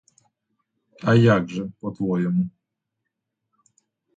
А як же, по-твоєму?